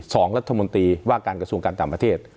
สองรัฐมนตรีว่าการกระทรวงการต่างประเทศ